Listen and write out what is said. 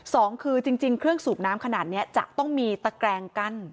สองคือจริงเครื่องสูบน้ำขนาดนี้จะต้องมีตะแกรงกั้น